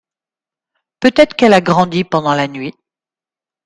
Peut-être qu’elle a grandi pendant la nuit.